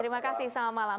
terima kasih selamat malam